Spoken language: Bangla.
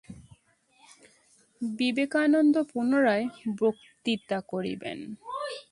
বিবে কানন্দ পুনরায় বক্তৃতা করিবেন।